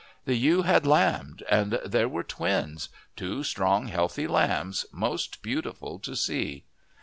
The ewe had lambed, and there were twins two strong healthy lambs, most beautiful to see!